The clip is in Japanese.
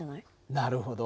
なるほど。